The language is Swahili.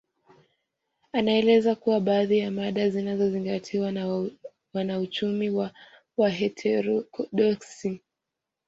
Anaeleza kuwa baadhi ya mada zinazozingatiwa na wanauchumi wa kiheterodoksi